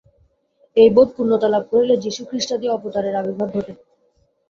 এই বোধ পূর্ণতা লাভ করিলে যীশুখ্রীষ্টাদি অবতারের আবির্ভাব ঘটে।